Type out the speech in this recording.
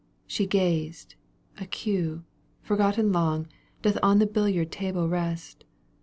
She gazed — a cue, forgotten long, ^ Doth on the billiard table rest.